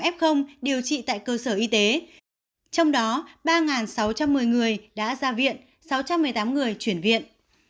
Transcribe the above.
bốn năm trăm sáu mươi tám f điều trị tại cơ sở y tế trong đó ba sáu trăm một mươi người đã ra viện sáu trăm một mươi tám người chuyển viện